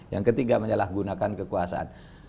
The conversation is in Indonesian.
yang ketiga menyalahgunakan kekuasaan